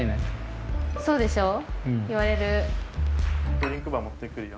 ドリンクバー持ってくるよ。